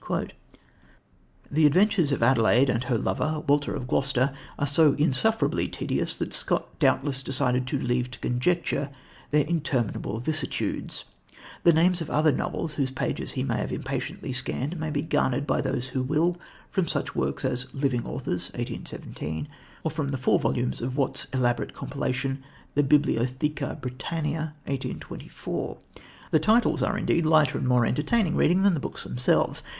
The adventures of Adelaide and her lover, Walter of Gloucester, are so insufferably tedious that Scott doubtless decided to "leave to conjecture" their interminable vicissitudes. The names of other novels, whose pages he may impatiently have scanned, may be garnered by those who will, from such works as Living Authors (1817), or from the four volumes of Watts' elaborate compilation, the Bibliotheca Britannica (1824). The titles are, indeed, lighter and more entertaining reading than the books themselves.